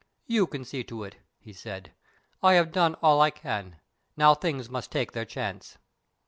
"You can see to it," he said; "I have done all I can. Now things must take their chance."